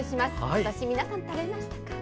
今年、皆さん食べましたか？